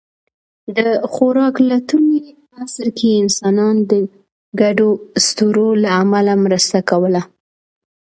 د خوراک لټوني عصر کې انسانان د ګډو اسطورو له امله مرسته کوله.